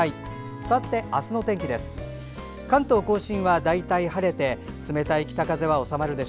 かわって明日の天気です。